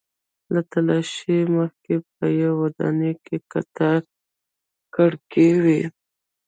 له تالاشۍ مخکې په یوې ودانۍ کې کتار کړکۍ وې.